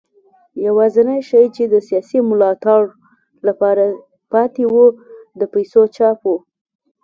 یوازینی شی چې د سیاسي ملاتړ لپاره پاتې و د پیسو چاپ و.